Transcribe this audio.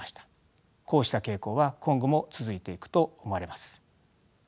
こうした傾向は今後も続いていくと思われます。